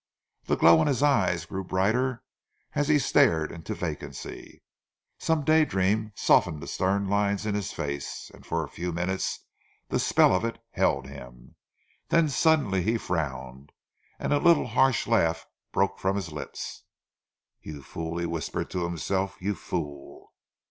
The glow in his eyes grew brighter as he stared into vacancy. Some day dream softened the stern lines in his face, and for a few minutes the spell of it held him. Then suddenly he frowned, and a little harsh laugh broke from his lips. "You fool!" he whispered to himself. "You fool!"